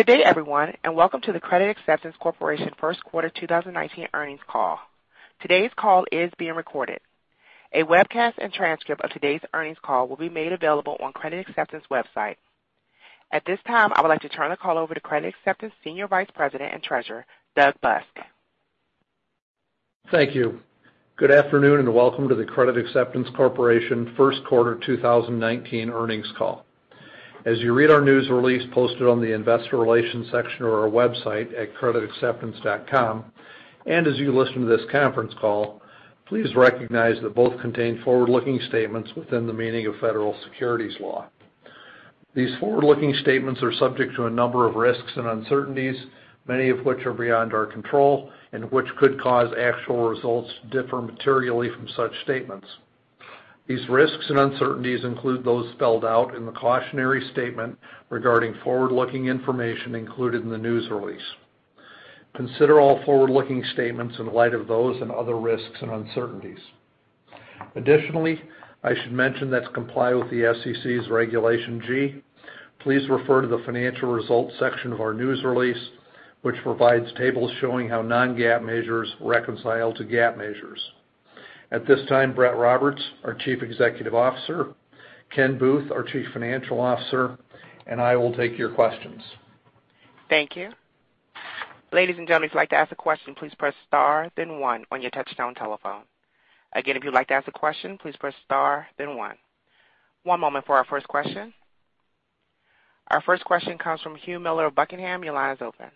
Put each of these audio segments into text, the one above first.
Good day everyone, welcome to the Credit Acceptance Corporation first quarter 2019 earnings call. Today's call is being recorded. A webcast and transcript of today's earnings call will be made available on Credit Acceptance website. At this time, I would like to turn the call over to Credit Acceptance Senior Vice President and Treasurer, Doug Busk. Thank you. Good afternoon, welcome to the Credit Acceptance Corporation first quarter 2019 earnings call. As you read our news release posted on the investor relations section of our website at creditacceptance.com, as you listen to this conference call, please recognize that both contain forward-looking statements within the meaning of Federal Securities Law. These forward-looking statements are subject to a number of risks and uncertainties, many of which are beyond our control and which could cause actual results to differ materially from such statements. These risks and uncertainties include those spelled out in the cautionary statement regarding forward-looking information included in the news release. Consider all forward-looking statements in light of those and other risks and uncertainties. Additionally, I should mention that to comply with the SEC's Regulation G, please refer to the financial results section of our news release, which provides tables showing how non-GAAP measures reconcile to GAAP measures. At this time, Brett Roberts, our Chief Executive Officer, Ken Booth, our Chief Financial Officer, I will take your questions. Thank you. Ladies and gentlemen, if you'd like to ask a question, please press star then one on your touchtone telephone. Again, if you'd like to ask a question, please press star then one. One moment for our first question. Our first question comes from Hugh Miller of Buckingham. Your line is open.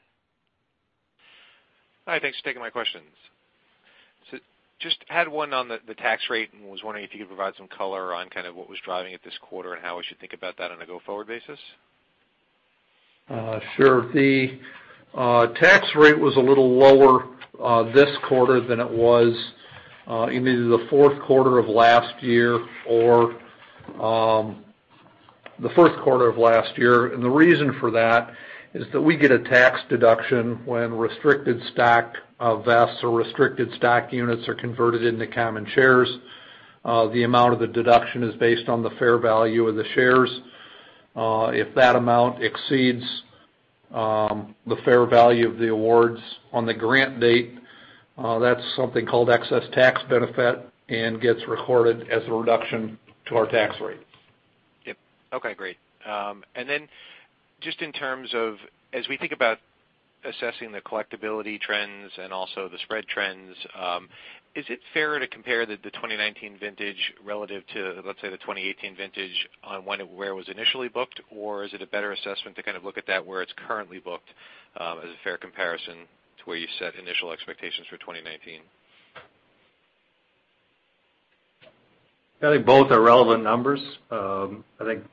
Hi, thanks for taking my questions. Just had one on the tax rate and was wondering if you could provide some color on kind of what was driving it this quarter and how we should think about that on a go-forward basis. Sure. The tax rate was a little lower this quarter than it was in either the fourth quarter of last year or the first quarter of last year. The reason for that is that we get a tax deduction when restricted stock vests or restricted stock units are converted into common shares. The amount of the deduction is based on the fair value of the shares. If that amount exceeds the fair value of the awards on the grant date, that's something called excess tax benefit and gets recorded as a reduction to our tax rate. Yep. Okay, great. Just in terms of, as we think about assessing the collectibility trends and also the spread trends, is it fair to compare the 2019 vintage relative to, let's say, the 2018 vintage on where it was initially booked? Or is it a better assessment to kind of look at that where it's currently booked, as a fair comparison to where you set initial expectations for 2019? I think both are relevant numbers. I think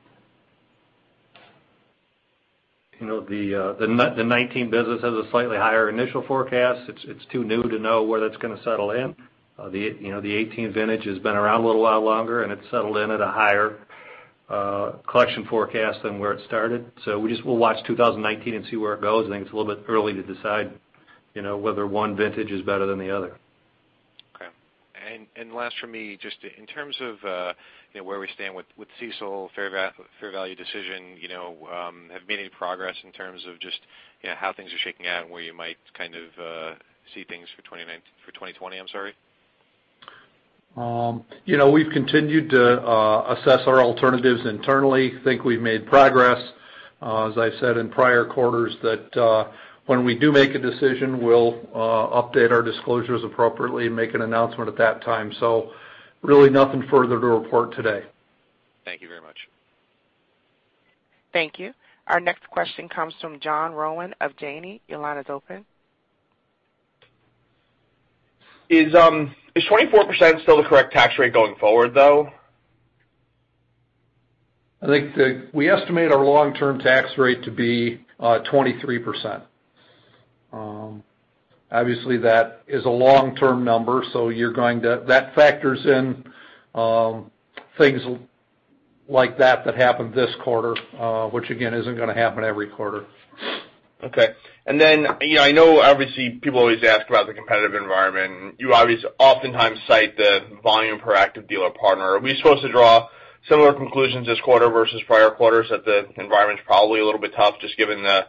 the '19 business has a slightly higher initial forecast. It's too new to know where that's going to settle in. The '18 vintage has been around a little while longer, and it's settled in at a higher collection forecast than where it started. We'll watch 2019 and see where it goes. I think it's a little bit early to decide whether one vintage is better than the other. Okay. Last for me, just in terms of where we stand with CECL, fair value decision, have you made any progress in terms of just how things are shaking out and where you might kind of see things for 2020? We've continued to assess our alternatives internally. We think we've made progress. As I've said in prior quarters, that when we do make a decision, we'll update our disclosures appropriately and make an announcement at that time. Really nothing further to report today. Thank you very much. Thank you. Our next question comes from John Rowan of Janney. Your line is open. Is 24% still the correct tax rate going forward, though? I think that we estimate our long-term tax rate to be 23%. Obviously, that is a long-term number. That factors in things like that that happened this quarter, which again, isn't going to happen every quarter. Okay. I know obviously people always ask about the competitive environment, and you oftentimes cite the volume per active dealer partner. Are we supposed to draw similar conclusions this quarter versus prior quarters that the environment's probably a little bit tough just given the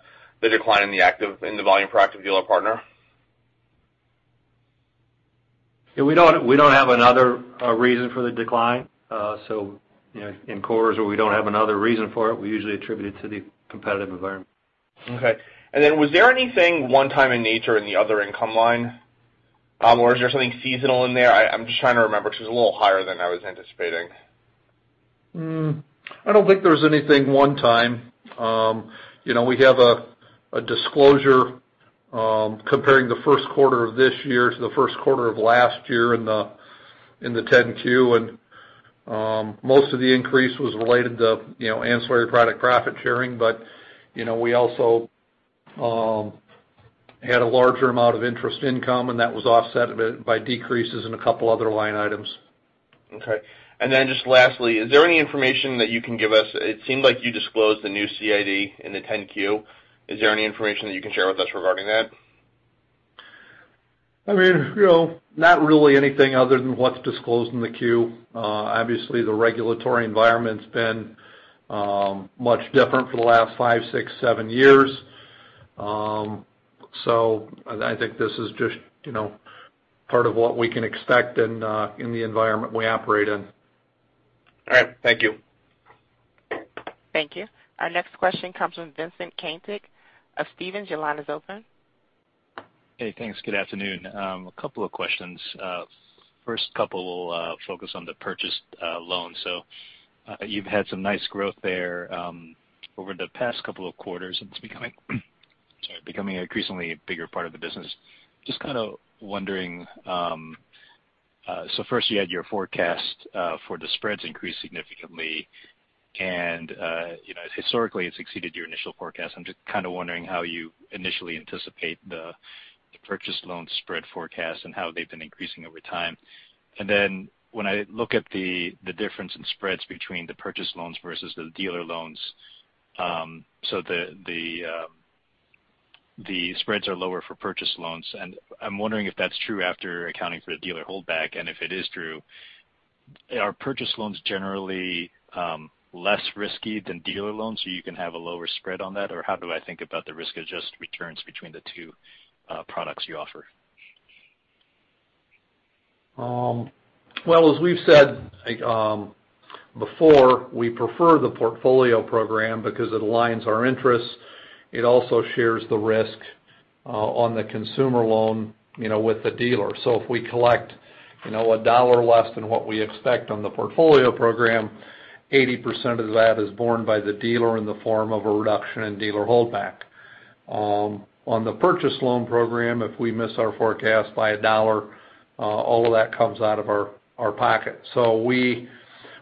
decline in the volume per active dealer partner? We don't have another reason for the decline. In quarters where we don't have another reason for it, we usually attribute it to the competitive environment. Okay. Was there anything one-time in nature in the other income line? Or is there something seasonal in there? I'm just trying to remember, because it was a little higher than I was anticipating. I don't think there's anything one-time. We have a disclosure comparing the first quarter of this year to the first quarter of last year in the 10-Q, most of the increase was related to ancillary product profit sharing. We also had a larger amount of interest income, that was offset a bit by decreases in a couple other line items. Okay. Just lastly, is there any information that you can give us? It seemed like you disclosed the new CID in the 10-Q. Is there any information that you can share with us regarding that? Not really anything other than what's disclosed in the Q. Obviously, the regulatory environment's been much different for the last five, six, seven years. I think this is just part of what we can expect in the environment we operate in. All right. Thank you. Thank you. Our next question comes from Vincent Caintic of Stephens. Your line is open. Hey, thanks. Good afternoon. A couple of questions. First couple will focus on the purchased loans. You've had some nice growth there over the past couple of quarters, and it's becoming increasingly a bigger part of the business. Just kind of wondering. First, you had your forecast for the spreads increase significantly, and historically it's exceeded your initial forecast. I'm just kind of wondering how you initially anticipate the purchase loan spread forecast and how they've been increasing over time. When I look at the difference in spreads between the purchase loans versus the dealer loans, the spreads are lower for purchase loans. I'm wondering if that's true after accounting for the dealer holdback. If it is true, are purchase loans generally less risky than dealer loans so you can have a lower spread on that? How do I think about the risk-adjusted returns between the two products you offer? Well, as we've said before, we prefer the Portfolio Program because it aligns our interests. It also shares the risk on the consumer loan with the dealer. If we collect a dollar less than what we expect on the Portfolio Program, 80% of that is borne by the dealer in the form of a reduction in dealer holdback. On the Purchase Loan Program, if we miss our forecast by a dollar, all of that comes out of our pocket.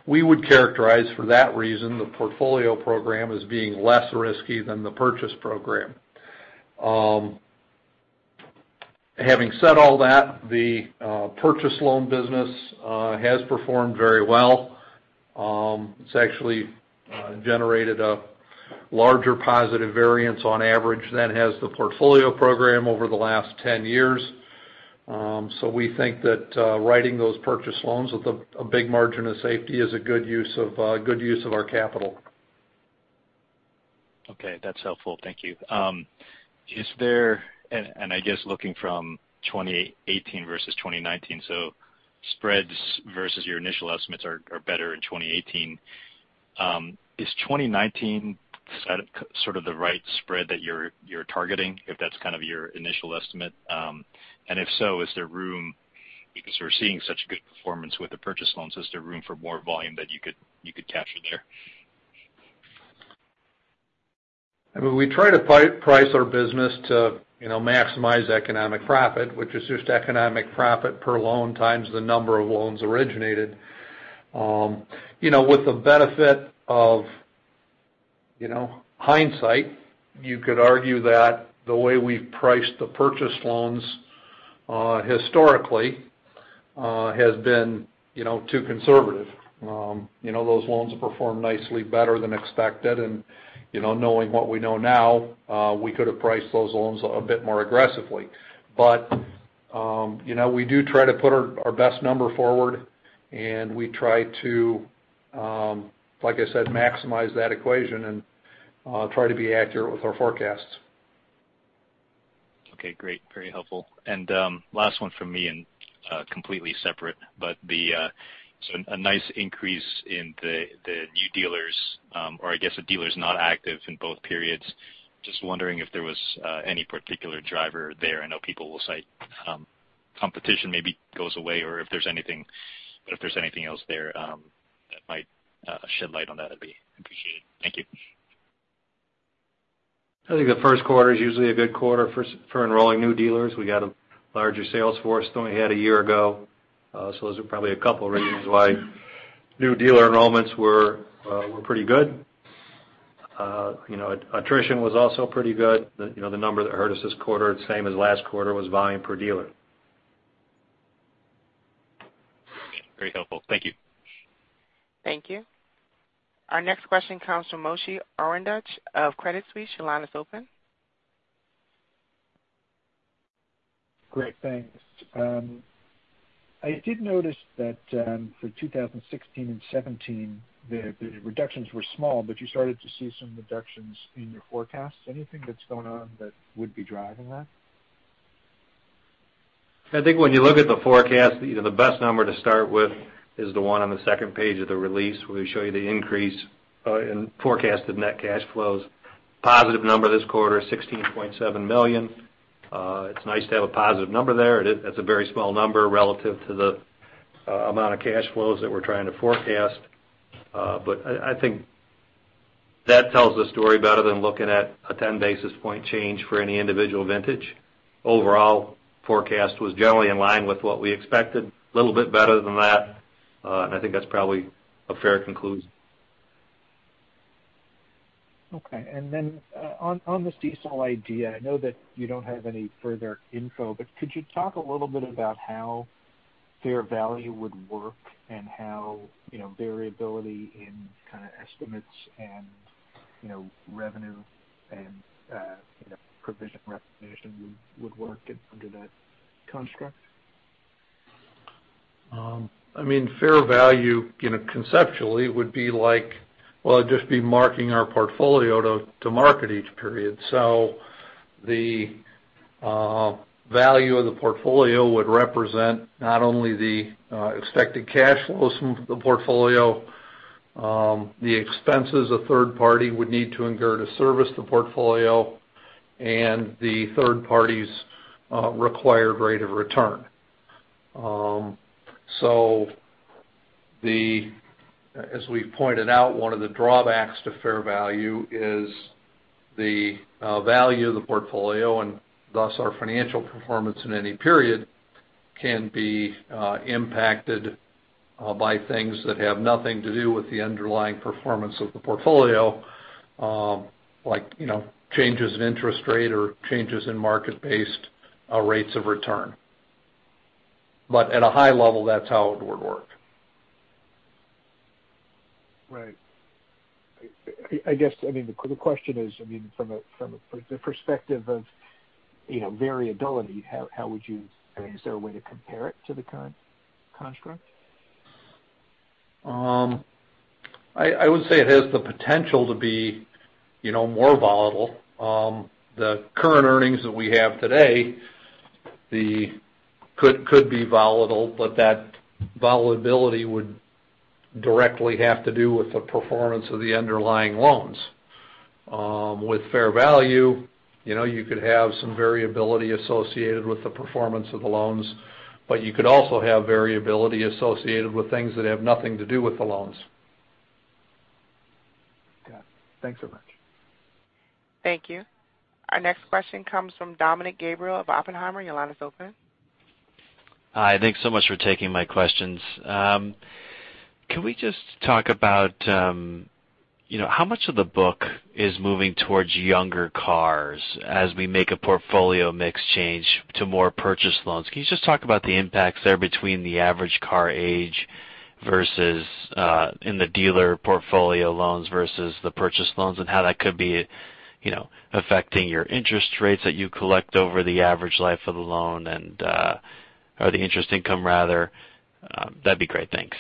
We would characterize, for that reason, the Portfolio Program as being less risky than the Purchase Program. Having said all that, the Purchase Loan business has performed very well. It's actually generated a larger positive variance on average than has the Portfolio Program over the last 10 years. We think that writing those Purchase Loans with a big margin of safety is a good use of our capital. Okay, that's helpful. Thank you. I guess looking from 2018 versus 2019, spreads versus your initial estimates are better in 2018. Is 2019 sort of the right spread that you're targeting if that's kind of your initial estimate? If so, is there room because we're seeing such good performance with the Purchase Loans, is there room for more volume that you could capture there? We try to price our business to maximize economic profit, which is just economic profit per loan times the number of loans originated. With the benefit of hindsight, you could argue that the way we've priced the Purchase Loans historically has been too conservative. Those loans have performed nicely better than expected, knowing what we know now, we could have priced those loans a bit more aggressively. We do try to put our best number forward, and we try to, like I said, maximize that equation and try to be accurate with our forecasts. Okay, great. Very helpful. Last one from me, completely separate. A nice increase in the new dealers, or I guess the dealers not active in both periods. Just wondering if there was any particular driver there. I know people will cite competition maybe goes away, or if there's anything else there that might shed light on that, it'd be appreciated. Thank you. I think the first quarter is usually a good quarter for enrolling new dealers. We got a larger sales force than we had a year ago. Those are probably a couple reasons why new dealer enrollments were pretty good. Attrition was also pretty good. The number that hurt us this quarter, the same as last quarter, was volume per dealer. Very helpful. Thank you. Thank you. Our next question comes from Moshe Orenbuch of Credit Suisse. Your line is open. Great, thanks. I did notice that for 2016 and 2017, the reductions were small, but you started to see some reductions in your forecasts. Anything that's going on that would be driving that? I think when you look at the forecast, the best number to start with is the one on the second page of the release where we show you the increase in forecasted net cash flows. Positive number this quarter, $16.7 million. It's nice to have a positive number there. That's a very small number relative to the amount of cash flows that we're trying to forecast. I think that tells the story better than looking at a 10 basis point change for any individual vintage. Overall forecast was generally in line with what we expected. A little bit better than that. I think that's probably a fair conclusion. Okay. On the CECL idea, I know that you don't have any further info, but could you talk a little bit about how Fair value would work and how variability in kind of estimates and revenue and provision recognition would work under that construct? Fair value, conceptually, would be like, well, it'd just be marking our Portfolio to market each period. The value of the Portfolio would represent not only the expected cash flows from the Portfolio, the expenses a third party would need to incur to service the Portfolio, and the third party's required rate of return. At a high level, that's how it would work. Right. I guess, the question is, from the perspective of variability, is there a way to compare it to the current construct? I would say it has the potential to be more volatile. The current earnings that we have today could be volatile, but that volatility would directly have to do with the performance of the underlying loans. With fair value, you could have some variability associated with the performance of the loans, but you could also have variability associated with things that have nothing to do with the loans. Got it. Thanks so much. Thank you. Our next question comes from Dominick Gabriele of Oppenheimer. Your line is open. Hi, thanks so much for taking my questions. Can we just talk about how much of the book is moving towards younger cars as we make a portfolio mix change to more purchase loans? Can you just talk about the impacts there between the average car age versus in the dealer portfolio loans versus the purchase loans and how that could be affecting your interest rates that you collect over the average life of the loan or the interest income rather? That'd be great. Thanks.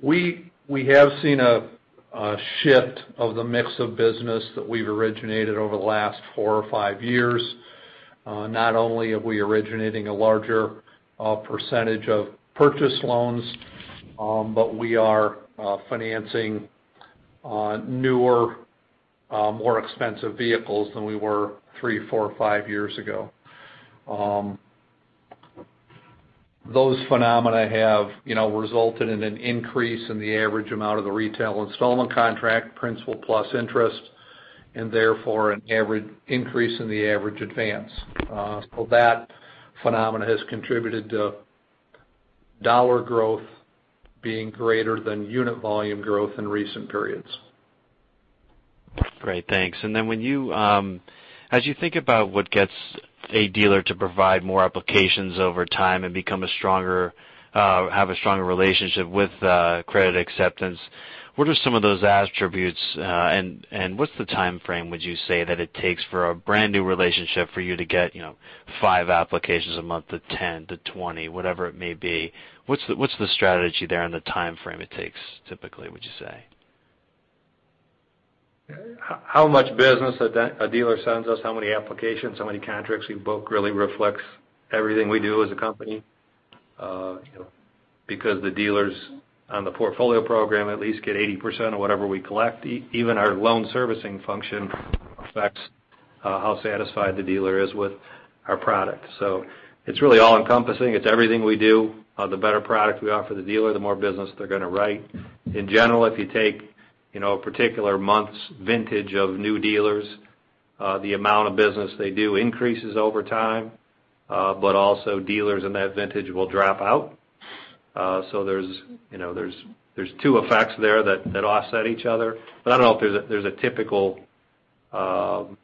We have seen a shift of the mix of business that we've originated over the last four or five years. Not only are we originating a larger percentage of purchase loans, but we are financing newer, more expensive vehicles than we were three, four, or five years ago. Those phenomena have resulted in an increase in the average amount of the retail installment contract, principal plus interest, and therefore an increase in the average advance. That phenomena has contributed to dollar growth being greater than unit volume growth in recent periods. Great, thanks. Then as you think about what gets a dealer to provide more applications over time and have a stronger relationship with Credit Acceptance, what are some of those attributes? What's the timeframe, would you say, that it takes for a brand-new relationship for you to get five applications a month to 10 to 20, whatever it may be? What's the strategy there and the timeframe it takes typically, would you say? How much business a dealer sends us, how many applications, how many contracts we book really reflects everything we do as a company. The dealers on the Portfolio Program, at least, get 80% of whatever we collect. Even our loan servicing function affects how satisfied the dealer is with our product. It's really all-encompassing. It's everything we do. The better product we offer the dealer, the more business they're going to write. In general, if you take a particular month's vintage of new dealers, the amount of business they do increases over time. Also dealers in that vintage will drop out. There's two effects there that offset each other. I don't know if there's a typical timeframe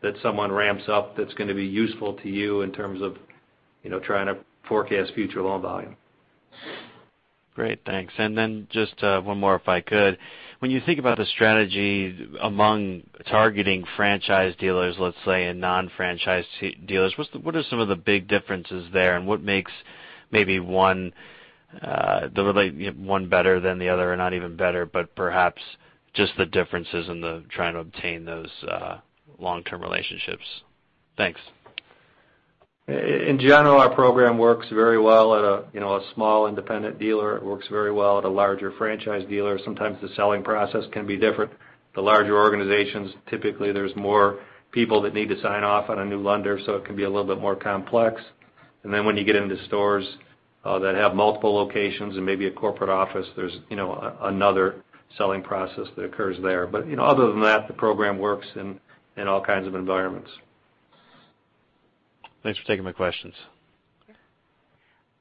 that someone ramps up that's going to be useful to you in terms of trying to forecast future loan volume. Great, thanks. Then just one more, if I could. When you think about the strategy among targeting franchise dealers, let's say, and non-franchise dealers, what are some of the big differences there? What makes maybe one better than the other, or not even better, but perhaps just the differences in trying to obtain those long-term relationships? Thanks. In general, our program works very well at a small independent dealer. It works very well at a larger franchise dealer. Sometimes the selling process can be different. The larger organizations, typically, there's more people that need to sign off on a new lender, so it can be a little bit more complex. When you get into stores that have multiple locations and maybe a corporate office, there's another selling process that occurs there. Other than that, the program works in all kinds of environments. Thanks for taking my questions.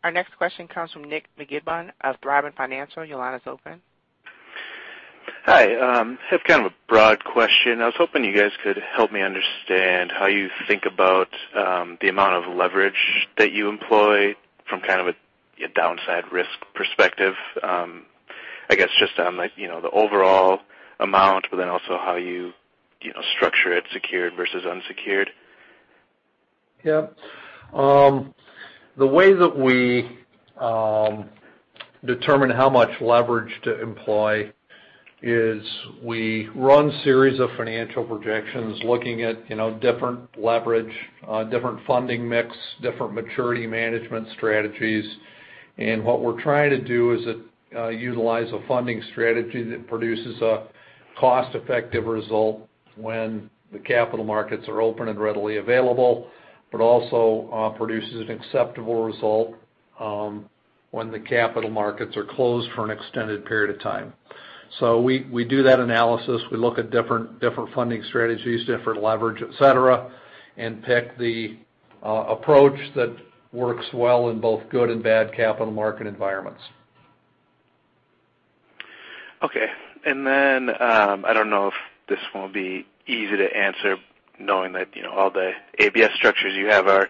Our next question comes from Nick McGibbon of Briwen Financial. Your line is open. Hi. I have kind of a broad question. I was hoping you guys could help me understand how you think about the amount of leverage that you employ from kind of a downside risk perspective. I guess just on the overall amount, also how you structure it secured versus unsecured. Yeah. The way that we determine how much leverage to employ is we run series of financial projections looking at different leverage, different funding mix, different maturity management strategies. What we're trying to do is utilize a funding strategy that produces a cost-effective result when the capital markets are open and readily available, but also produces an acceptable result when the capital markets are closed for an extended period of time. We do that analysis. We look at different funding strategies, different leverage, et cetera, and pick the approach that works well in both good and bad capital market environments. Okay. I don't know if this will be easy to answer knowing that all the ABS structures you have are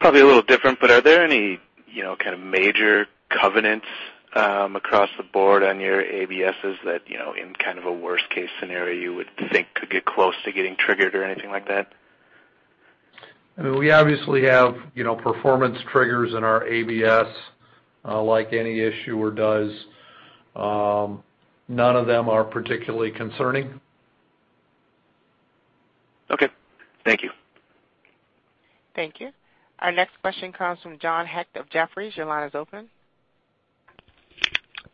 probably a little different. Are there any kind of major covenants across the board on your ABSs that, in kind of a worst case scenario, you would think could get close to getting triggered or anything like that? I mean, we obviously have performance triggers in our ABS, like any issuer does. None of them are particularly concerning. Okay. Thank you. Thank you. Our next question comes from John Hecht of Jefferies. Your line is open.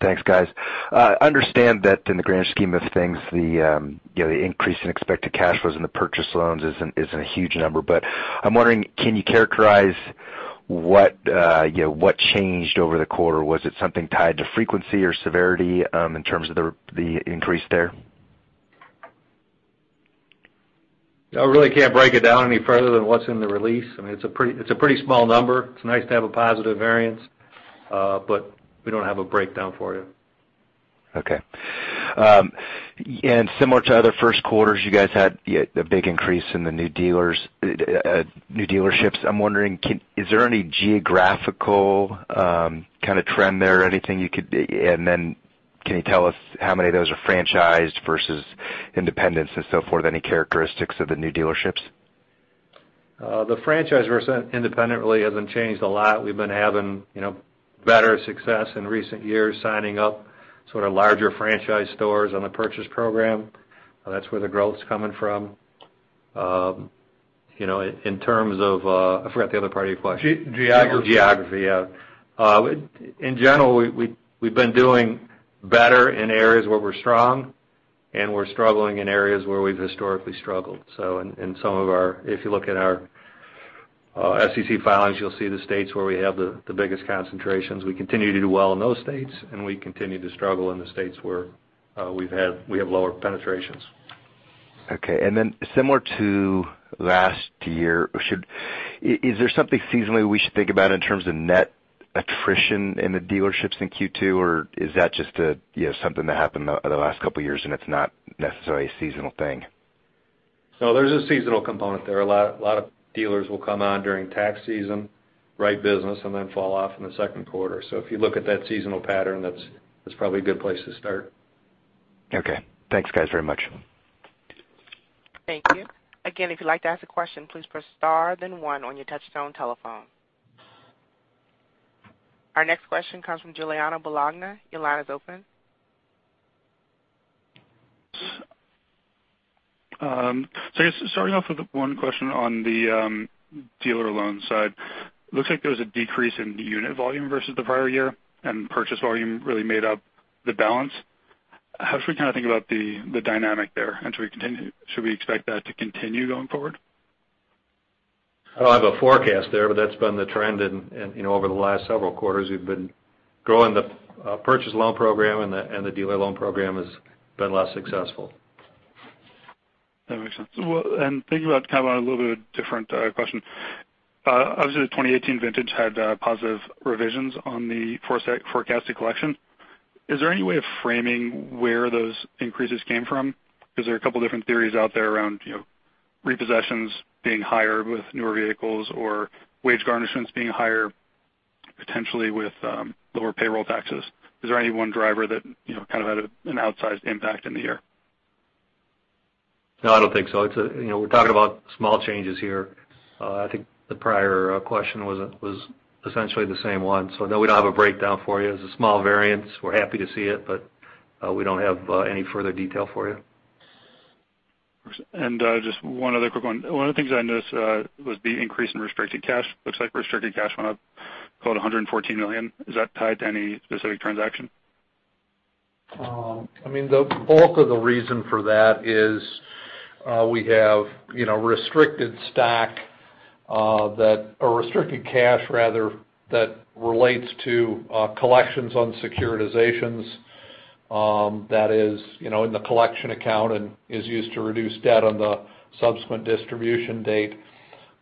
Thanks, guys. I understand that in the grand scheme of things, the increase in expected cash flows in the purchase loans isn't a huge number. I'm wondering, can you characterize what changed over the quarter? Was it something tied to frequency or severity in terms of the increase there? I really can't break it down any further than what's in the release. I mean, it's a pretty small number. It's nice to have a positive variance. We don't have a breakdown for you. Okay. Similar to other first quarters, you guys had a big increase in the new dealerships. I'm wondering, is there any geographical kind of trend there? Can you tell us how many of those are franchised versus independents and so forth? Any characteristics of the new dealerships? The franchise versus independent really hasn't changed a lot. We've been having better success in recent years signing up sort of larger franchise stores on the Purchase Program. That's where the growth's coming from. In terms of I forgot the other part of your question. Geography. Geography, yeah. In general, we've been doing better in areas where we're strong and we're struggling in areas where we've historically struggled. If you look at our SEC filings, you'll see the states where we have the biggest concentrations. We continue to do well in those states, and we continue to struggle in the states where we have lower penetrations. Okay. Similar to last year, is there something seasonally we should think about in terms of net attrition in the dealerships in Q2? Is that just something that happened the last couple of years, and it's not necessarily a seasonal thing? No, there's a seasonal component there. A lot of dealers will come on during tax season, write business, and then fall off in the second quarter. If you look at that seasonal pattern, that's probably a good place to start. Okay. Thanks, guys, very much. Thank you. Again, if you'd like to ask a question, please press star then one on your touchtone telephone. Our next question comes from Giuliano Bologna. Your line is open. I guess starting off with one question on the dealer loan side. Looks like there was a decrease in unit volume versus the prior year, and Purchase volume really made up the balance. How should we kind of think about the dynamic there? Should we expect that to continue going forward? I don't have a forecast there, but that's been the trend over the last several quarters. We've been growing the Purchase Program, and the dealer loan program has been less successful. That makes sense. Thinking about kind of a little bit different question. Obviously, the 2018 vintage had positive revisions on the forecasted collection. Is there any way of framing where those increases came from? There are 2 different theories out there around repossessions being higher with newer vehicles or wage garnishments being higher potentially with lower payroll taxes. Is there any one driver that kind of had an outsized impact in the year? No, I don't think so. We're talking about small changes here. I think the prior question was essentially the same one. No, we don't have a breakdown for you. It's a small variance. We're happy to see it, but we don't have any further detail for you. Just one other quick one. One of the things I noticed was the increase in restricted cash. Looks like restricted cash went up about $114 million. Is that tied to any specific transaction? I mean, the bulk of the reason for that is we have restricted cash rather, that relates to collections on securitizations. That is in the collection account and is used to reduce debt on the subsequent distribution date.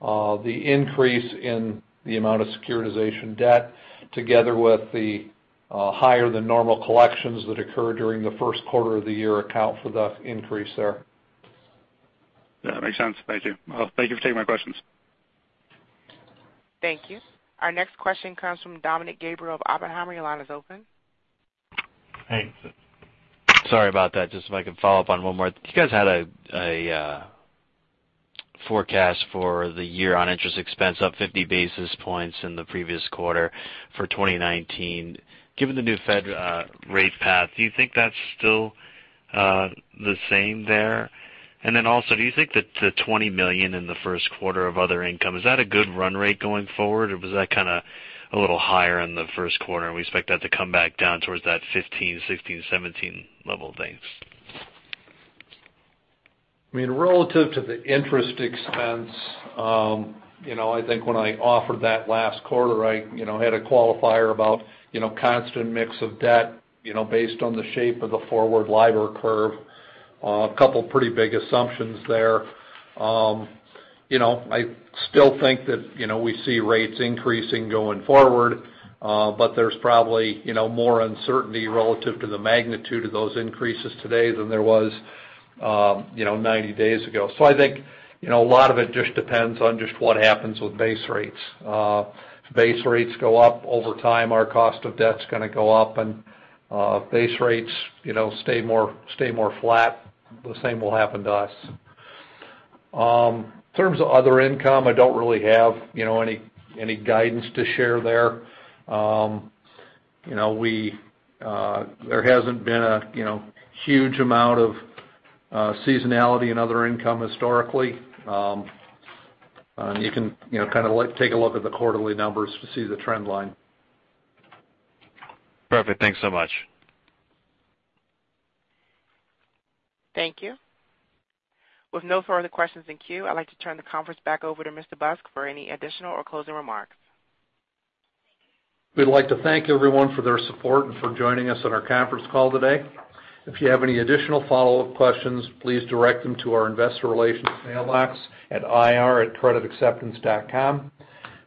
The increase in the amount of securitization debt, together with the higher than normal collections that occur during the first quarter of the year, account for the increase there. Yeah, makes sense. Thank you. Thank you for taking my questions. Thank you. Our next question comes from Dominick Gabriele of Oppenheimer. Your line is open. Hey. Sorry about that. Just if I can follow up on one more. You guys had a forecast for the year on interest expense up 50 basis points in the previous quarter for 2019. Also, do you think that the $20 million in the first quarter of other income, is that a good run rate going forward? Or was that a little higher in the first quarter and we expect that to come back down towards that 15, 16, 17 level? Thanks. Relative to the interest expense, I think when I offered that last quarter, I had a qualifier about constant mix of debt, based on the shape of the forward LIBOR curve. A couple pretty big assumptions there. I still think that we see rates increasing going forward, but there's probably more uncertainty relative to the magnitude of those increases today than there was 90 days ago. I think, a lot of it just depends on just what happens with base rates. If base rates go up over time, our cost of debt's going to go up, and if base rates stay more flat, the same will happen to us. In terms of other income, I don't really have any guidance to share there. There hasn't been a huge amount of seasonality in other income historically. You can take a look at the quarterly numbers to see the trend line. Perfect. Thanks so much. Thank you. With no further questions in queue, I'd like to turn the conference back over to Mr. Busk for any additional or closing remarks. We'd like to thank everyone for their support and for joining us on our conference call today. If you have any additional follow-up questions, please direct them to our investor relations mailbox at ir@creditacceptance.com.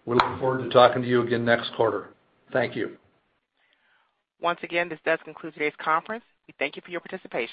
We look forward to talking to you again next quarter. Thank you. Once again, this does conclude today's conference. We thank you for your participation.